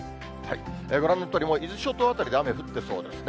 ご覧のとおり、もう伊豆諸島辺りで雨降ってそうですね。